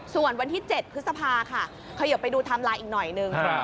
ส่วนวันที่๗พฤษภาค่ะขยบไปดูไทม์ไลน์อีกหน่อยหนึ่ง